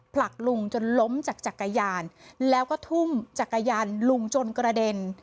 ผลักลุงจนล้มจากจักรยานแล้วก็ทุ่มจักรยานลุงจนกระเด็น